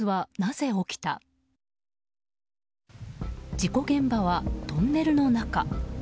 事故現場はトンネルの中。